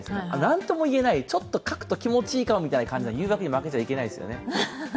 なんともいえない、ちょっとかくと気持ちいいかもという誘惑に負けちゃいけないですよね。